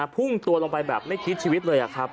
พุ่งตัวลงไปแบบไม่กินชีวิตเลย